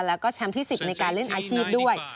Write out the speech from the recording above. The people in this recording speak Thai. แล้วก็แชมป์ที่๑๐ในการเล่นอาชีพด้วย